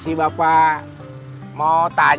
susah susah lagi